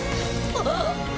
あっ！